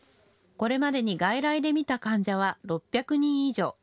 これまでに外来で診た患者は６００人以上。